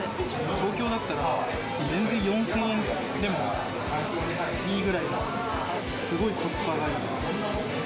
東京だったら、全然４０００円でもいいぐらいの、すごいコスパがいい。